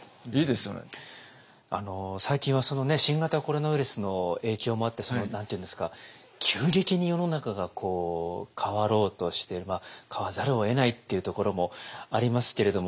最近は新型コロナウイルスの影響もあって何て言うんですか急激に世の中が変わろうとして変わらざるをえないっていうところもありますけれども。